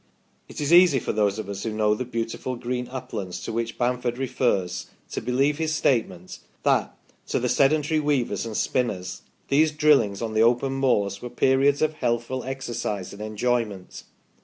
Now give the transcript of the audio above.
It is easy for those of us who know the beautiful green uplands to which Bamford refers, to believe his statement that " to the sedentary weavers and spinners these drillings on the open moors were periods of healthful exercise and enjoyment